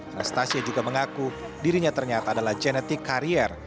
anastasia juga mengaku dirinya ternyata adalah genetik karier